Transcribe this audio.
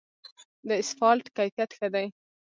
د اسفالټ کیفیت ښه دی؟